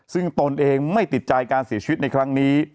ซึ่งตนเองไม่ติดใจการเสียชีวิตในครั้งนี้